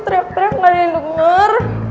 teriak teriak nggak ada yang dengar